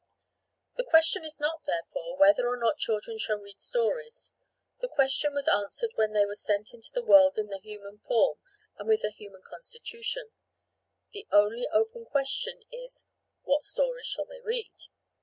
The question is not, therefore, whether or not children shall read stories; that question was answered when they were sent into the world in the human form and with the human constitution: the only open question is "what stories shall they read?"